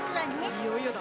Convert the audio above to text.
いよいよだな。